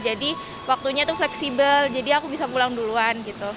waktunya itu fleksibel jadi aku bisa pulang duluan gitu